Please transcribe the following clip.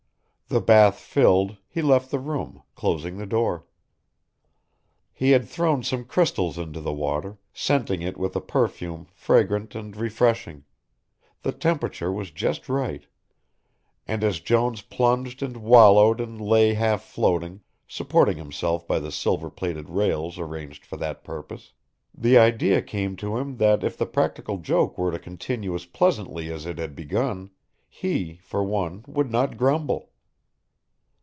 The bath filled, he left the room, closing the door. He had thrown some crystals into the water, scenting it with a perfume fragrant and refreshing, the temperature was just right, and as Jones plunged and wallowed and lay half floating, supporting himself by the silver plated rails arranged for that purpose, the idea came to him that if the practical joke were to continue as pleasantly as it had begun, he, for one, would not grumble.